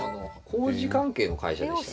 工事関係の会社でした。